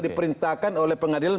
dia tidak pernah mengatakan